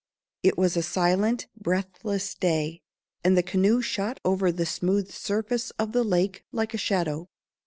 It was a silent, breathless day, and the canoe shot over the smooth surface of the lake like a shadow.